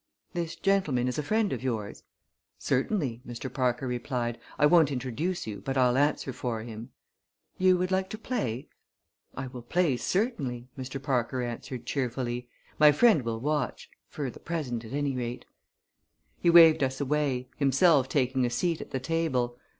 "This gentleman is a friend of yours?" "Certainly," Mr. Parker replied. "I won't introduce you, but I'll answer for him." "You would like to play?" "I will play, certainly," Mr. Parker answered cheerfully. "My friend will watch for the present, at any rate." He waved us away, himself taking a seat at the table.